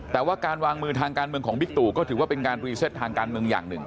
แต่ว่าการวางมือทางการเมืองของบิ๊กตู่ก็ถือว่าเป็นการรีเซตทางการเมืองอย่างหนึ่ง